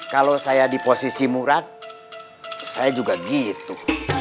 kalau saya di posisi murah saya juga gitu